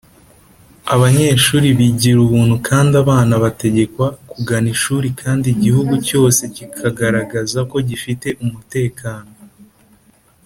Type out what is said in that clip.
abanyeshuri bigira ubuntu kandi abana bategekwa kugana ishuri kandi igihugu cyose kikagaragaza ko gifite umutekano